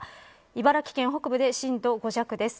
茨城県北部で震度５弱です。